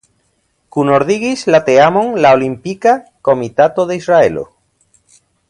Kunordigis la teamon la Olimpika Komitato de Israelo.